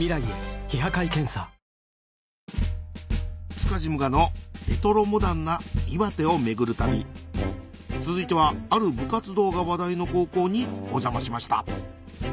塚地武雅のレトロモダンな岩手を巡る旅続いてはある部活動が話題の高校にお邪魔しました